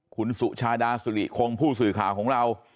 คุณสุชาดาสุริคงผู้สื่อข่าวของเรา